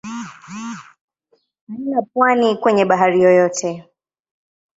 Haina pwani kwenye bahari yoyote.